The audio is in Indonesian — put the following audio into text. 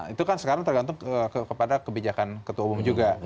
itu kan sekarang tergantung kepada kebijakan ketua umum juga